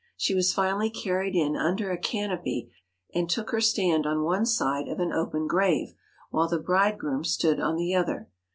She was finally carried in under a canopy, and took her stand on one side of an open grave while the bridegroom stood on the other.